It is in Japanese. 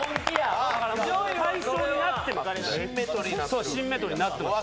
そうシンメトリーになってます。